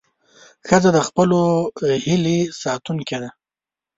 ښځه د خپلو هیلې ساتونکې ده.